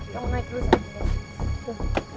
kamu naik dulu sayang